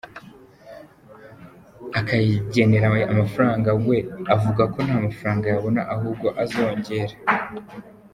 akayigenera amafaranga, we avuga ko nta mafaranga yabona ahubwo azongera.